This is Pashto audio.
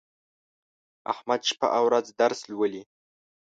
احمد شپه او ورځ درس لولي.